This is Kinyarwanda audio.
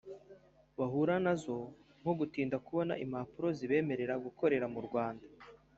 bahura nazo nko gutinda kubona impapuro zibemerera gukorera mu Rwanda